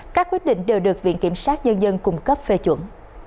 các quyết định đều được viện kiểm sát nhân dân cung cấp phê chuẩn